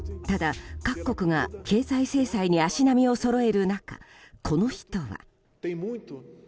ただ、各国が経済制裁に足並みをそろえる中この人は。